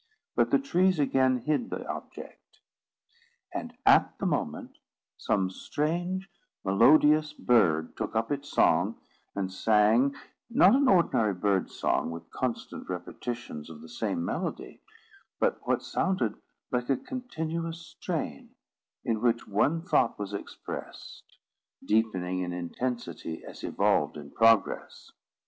But the trees again hid the object; and at the moment, some strange melodious bird took up its song, and sang, not an ordinary bird song, with constant repetitions of the same melody, but what sounded like a continuous strain, in which one thought was expressed, deepening in intensity as evolved in progress.